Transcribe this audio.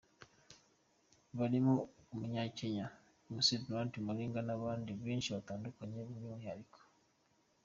barimo Umunyakenya Mc Donald Mariga, nabandi benshi batandukanye byumwihariko.